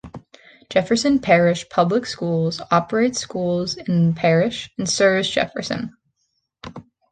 Jefferson Parish Public Schools operates schools in the parish and serves Jefferson.